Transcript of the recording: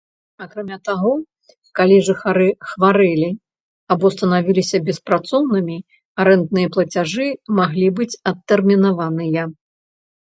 Акрамя таго, калі жыхары хварэлі або станавіліся беспрацоўнымі, арэндныя плацяжы маглі быць адтэрмінаваныя.